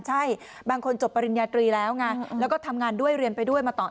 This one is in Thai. ใช่บางคนจบปริญญาตรีแล้วไงแล้วก็ทำงานด้วยเรียนไปด้วยมาต่อ